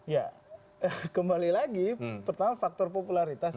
ya kembali lagi pertama faktor popularitas